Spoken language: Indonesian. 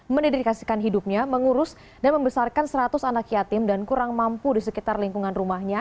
mendedikasikan hidupnya mengurus dan membesarkan seratus anak yatim dan kurang mampu di sekitar lingkungan rumahnya